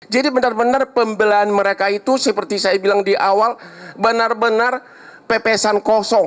jadi benar benar pembelahan mereka itu seperti saya bilang di awal benar benar pepesan kosong